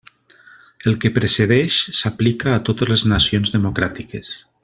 El que precedeix s'aplica a totes les nacions democràtiques.